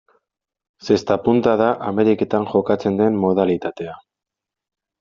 Zesta-punta da Ameriketan jokatzen den modalitatea.